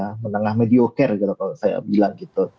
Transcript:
kelas menengah lah ya menengah mediocre kalau saya bilang gitu